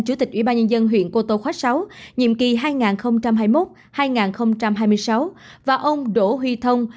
chủ tịch ủy ban nhân dân huyện cô tô khóa sáu nhiệm kỳ hai nghìn hai mươi một hai nghìn hai mươi sáu và ông đỗ huy thông